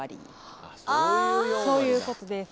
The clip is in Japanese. そういうことです。